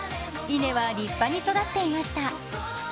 稲は立派に育っていました。